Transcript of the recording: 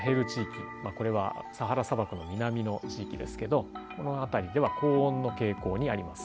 これはサハラ砂漠の南の地域ですけどこの辺りでは高温の傾向にあります。